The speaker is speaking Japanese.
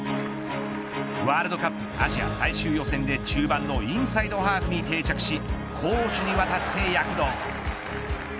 ワールドカップアジア最終予選で中盤のインサイドハーフに定着し攻守にわたって躍動。